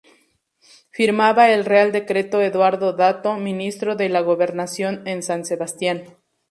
Firmaba el Real Decreto Eduardo Dato, Ministro de la Gobernación, en San Sebastián.